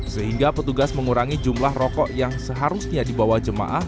sehingga petugas mengurangi jumlah rokok yang seharusnya dibawa jemaah